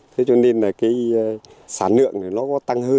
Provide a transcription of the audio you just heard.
thế cho nên là cái sản lượng nó